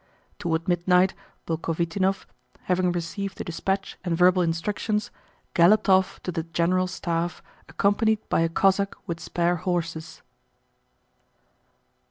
Toward midnight Bolkhovítinov, having received the dispatch and verbal instructions, galloped off to the General Staff accompanied by a Cossack with spare horses.